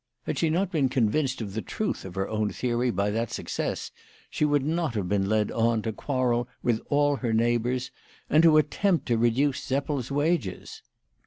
Had she not been convinced of the truth of her own theory by that success, she would not have been led on to quarrel with all her neighbours, and to attempt to reduce Seppel's wages.